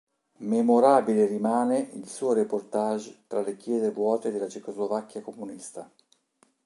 Memorabile rimane il suo reportage tra le chiese vuote della Cecoslovacchia comunista.